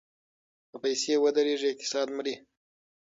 که پیسې ودریږي اقتصاد مري.